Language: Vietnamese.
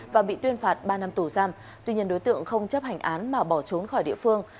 và bị tuyên phạt ba năm tù giam tuy nhiên đối tượng không chấp hành án mà bỏ trốn khỏi địa phương